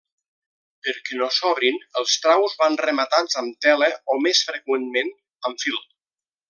Perquè no s'obrin, els traus van rematats amb tela o més freqüentment amb fil.